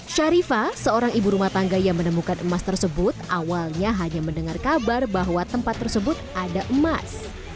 sharifa seorang ibu rumah tangga yang menemukan emas tersebut awalnya hanya mendengar kabar bahwa tempat tersebut ada emas